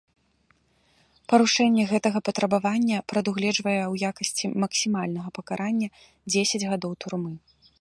Парушэнне гэтага патрабавання прадугледжвае ў якасці максімальнага пакарання дзесяць гадоў турмы.